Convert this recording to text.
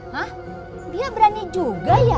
hah dia berani juga ya